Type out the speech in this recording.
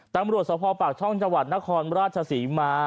ตำรวจสภปากช่องจังหวัดนครราชศรีมา